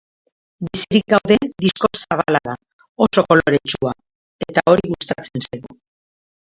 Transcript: Bizirik gaude disko zabala da, oso koloretsua, eta hori gustatzen zaigu.